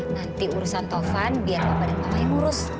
nanti urusan taufan biar bapak dan mama yang urus